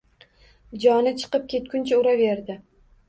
Joni chiqib ketguncha uraverdi!..